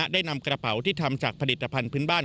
ได้นำกระเป๋าที่ทำจากผลิตภัณฑ์พื้นบ้าน